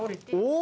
お！